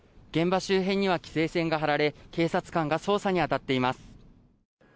現場周辺には規制線が張られ警察官が捜査に当たっています。